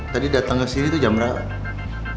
tadi dateng ke sini tuh jam berapa